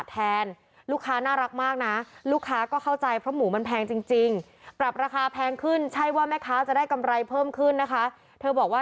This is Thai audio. แต่ค่าใช้จ่ายมันก็อยู่คงที่อยู่นะคะ